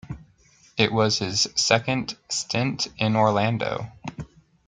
It was his second stint in Orlando.